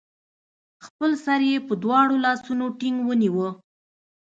خپل سر يې په دواړو لاسونو ټينګ ونيوه